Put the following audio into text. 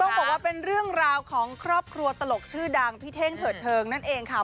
บอกว่าเป็นเรื่องราวของครอบครัวตลกชื่อดังพี่เท่งเถิดเทิงนั่นเองค่ะ